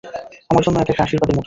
আমার জন্য এটা একটা আশীর্বাদের মতো।